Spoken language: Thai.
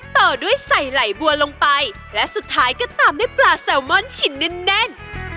ต่อด้วยใส่ไหล่บัวลงไปและสุดท้ายก็ตามด้วยปลาแซลมอนชิ้นแน่น